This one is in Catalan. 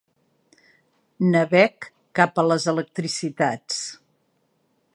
Naveg cap a les electricitats.